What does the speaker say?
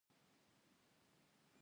د نړۍ په کچه له څېړونکو سره د غاښونو